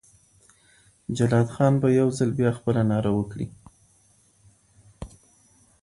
جلات خان به یو ځل بیا خپله ناره وکړي.